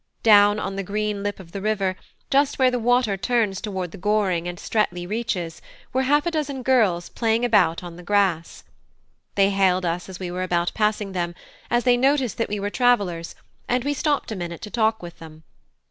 Down on the green lip of the river, just where the water turns toward the Goring and Streatley reaches, were half a dozen girls playing about on the grass. They hailed us as we were about passing them, as they noted that we were travellers, and we stopped a minute to talk with them.